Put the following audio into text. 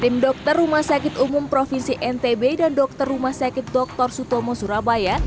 tim dokter rumah sakit umum provinsi ntb dan dokter rumah sakit dr sutomo surabaya